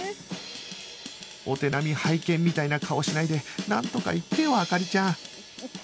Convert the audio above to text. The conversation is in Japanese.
お手並み拝見みたいな顔しないでなんとか言ってよ灯ちゃん